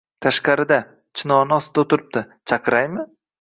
— Tashqarida. Chinorni ostida o‘tiribdi. Chaqiraymi?